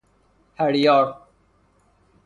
هریار